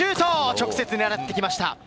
直接、狙ってきました。